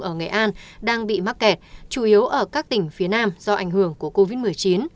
ở nghệ an đang bị mắc kẹt chủ yếu ở các tỉnh phía nam do ảnh hưởng của covid một mươi chín